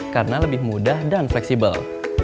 karena lebih mudah dan fleksibel